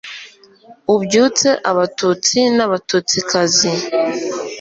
ubyutse abatutsi n,abatutsikazi